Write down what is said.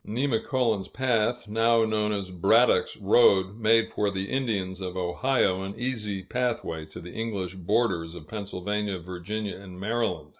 Nemacolin's Path, now known as Braddock's Road, made for the Indians of the Ohio an easy pathway to the English borders of Pennsylvania, Virginia, and Maryland.